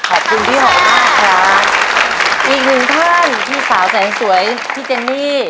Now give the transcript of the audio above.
ขอบคุณพี่หอยมากครับอีกหนึ่งท่านพี่สาวแสนสวยพี่เจนนี่